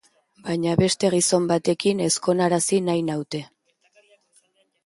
Baina beste gizon batekin ezkonarazi nahi dute.